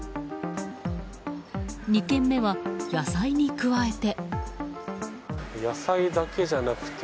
２軒目は、野菜に加えて。